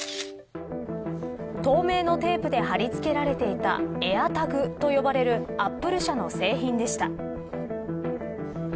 透明のテープで貼り付けられていたエアタグと呼ばれるアップル社の製品でした。